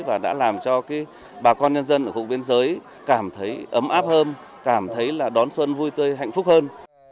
và đã làm cho bà con nhân dân ở khu biên giới cảm thấy ấm áp hơn cảm thấy là đón xuân vui tươi hạnh phúc hơn